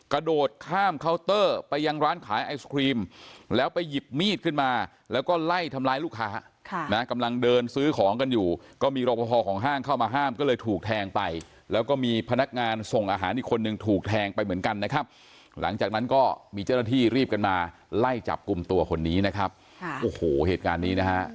กระโดดข้ามเคาน์เตอร์ไปยังร้านขายไอศครีมแล้วไปหยิบมีดขึ้นมาแล้วก็ไล่ทำร้ายลูกค้าค่ะนะกำลังเดินซื้อของกันอยู่ก็มีรอปภของห้างเข้ามาห้ามก็เลยถูกแทงไปแล้วก็มีพนักงานส่งอาหารอีกคนนึงถูกแทงไปเหมือนกันนะครับหลังจากนั้นก็มีเจ้าหน้าที่รีบกันมาไล่จับกลุ่มตัวคนนี้นะครับค่ะโอ้โหเหตุการณ์นี้นะฮะ